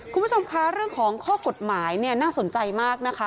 คุณผู้ชมคะเรื่องของข้อกฎหมายเนี่ยน่าสนใจมากนะคะ